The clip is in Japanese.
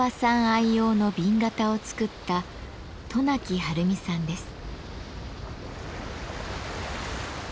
愛用の紅型を作った渡名喜はるみさんです。